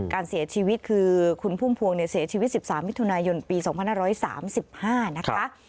การเสียชีวิตคือคุณพุ่มพวงเสียชีวิต๑๓มิถุนายนปี๒๕๓๕นะคะ